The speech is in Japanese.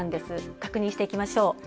確認していきましょう。